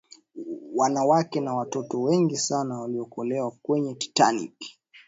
wanawake na watoto wengi sana waliokolew kwenye titanic